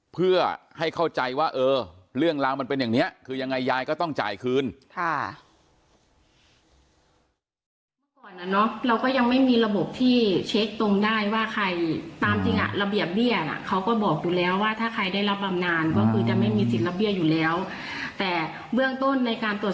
เพื่อให้เข้าใจว่าเออเรื่องราวมันเป็นอย่างนี้คือยังไงยายก็ต้องจ่ายคืนค่ะ